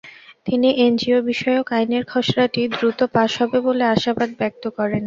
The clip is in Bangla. তিনি এনজিওবিষয়ক আইনের খসড়াটি দ্রুত পাস হবে বলে আশাবাদ ব্যক্ত করেন।